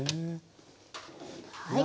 はい。